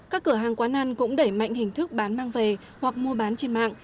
các cửa hàng quán ăn cũng đẩy mạnh hình thức bán mang về hoặc mua bán trên mạng